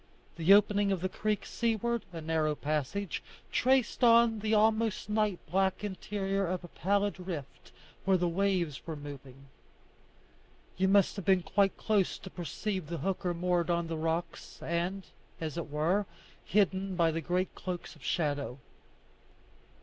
The opening of the creek seaward, a narrow passage, traced on the almost night black interior a pallid rift where the waves were moving. You must have been quite close to perceive the hooker moored to the rocks, and, as it were, hidden by the great cloaks of shadow.